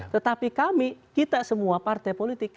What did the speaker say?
tetapi kami kita semua partai politik